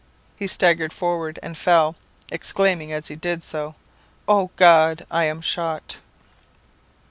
He staggered forward and fell, exclaiming as he did so, 'O God, I am shot!'